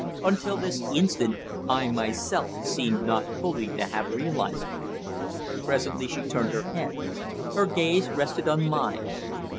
Until this instant I myself seemed not fully to have realized it. Presently she turned her head. Her gaze rested on mine.